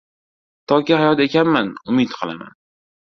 • Toki hayot ekanman — umid qilaman.